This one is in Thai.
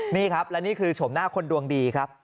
นี่ครับและนี่คือชมหน้าคนดวงดีครับ